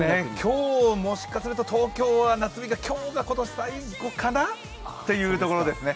今日、もしかすると東京は夏日が今日が今年最後かな？というところですね。